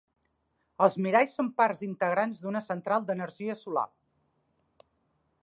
Els miralls són parts integrants d'una central d'energia solar.